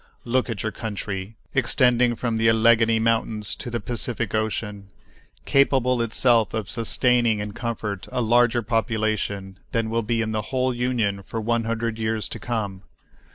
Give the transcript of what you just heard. Look at your country, extending from the Alleghany Mountains to the Pacific Ocean, capable itself of sustaining in comfort a larger population than will be in the whole Union for one hundred years to come.